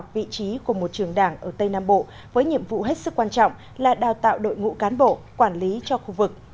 vị trí của một trường đảng ở tây nam bộ với nhiệm vụ hết sức quan trọng là đào tạo đội ngũ cán bộ quản lý cho khu vực